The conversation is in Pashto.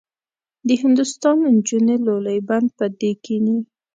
د هندوستان نجونې لولۍ بند به دې کیني.